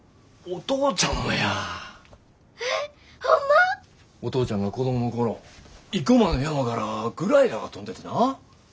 お父ちゃんが子供の頃生駒の山からグライダーが飛んでてな。